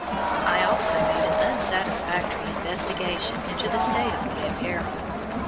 I also made a most unsatisfactory investigation into the state of my apparel.